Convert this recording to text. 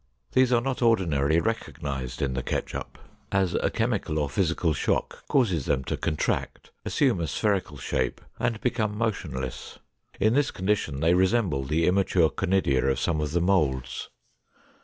These are not ordinarily recognized in the ketchup, as a chemical or physical shock causes them to contract, assume a spherical shape, and become motionless. In this condition they resemble the immature conidia of some of the molds.